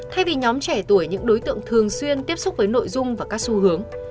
thay vì nhóm trẻ tuổi những đối tượng thường xuyên tiếp xúc với nội dung và các xu hướng